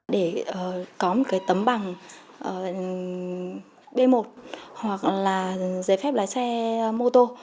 để có một cái tấm bằng b một hoặc là giấy phép lái xe mô tô